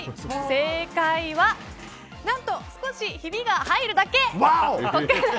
正解は、何と少しひびが入るだけ。